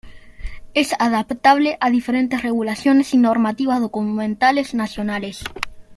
Es adaptable a diferentes regulaciones y normativas documentales nacionales.